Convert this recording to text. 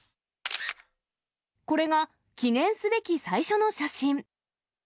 これが記念すべき最初の写真。